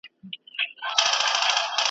هم دومره خوند بیا په بل شي کې ما لیدلی نه دی